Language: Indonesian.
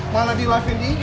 malah di live ini